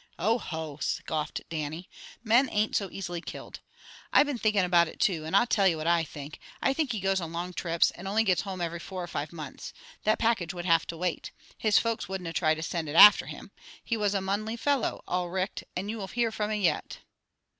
"O ho!" scoffed Dannie. "Men ain't so easy killed. I been thinkin' about it, too, and I'll tell ye what I think. I think he goes on long trips, and only gets home every four or five months. The package would have to wait. His folks wouldna try to send it after him. He was a monly fellow, all richt, and ye will hear fra him yet."